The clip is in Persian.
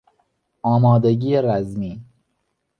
آمادگی رزمی